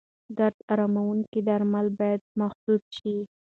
درد اراموونکي درمل باید محدود شي.